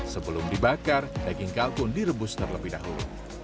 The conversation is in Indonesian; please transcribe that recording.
sebelum dibakar daging kalkun direbus terlebih dahulu